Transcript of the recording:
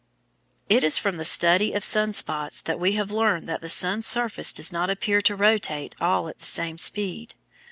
] It is from the study of sun spots that we have learned that the sun's surface does not appear to rotate all at the same speed.